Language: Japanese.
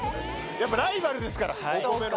やっぱライバルですからお米の。